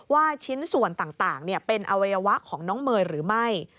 ชิ้นส่วนต่างเป็นอวัยวะของน้องเมย์หรือไม่